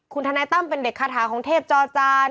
คุณทนายตั้มเป็นเด็กคาถาของเทพจอจาน